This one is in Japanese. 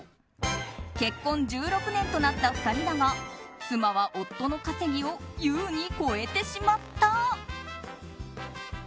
結婚１６年となった２人だが妻は夫の稼ぎを優に超えてしまった。